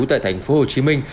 tại thành phố hồ chí minh